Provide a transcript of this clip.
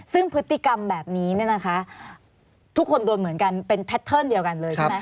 ซึ่งพฤติกรรมแบบนี้เนี่ยนะคะทุกคนโดนเหมือนกันเป็นแพทเทิร์นเดียวกันเลยใช่ไหม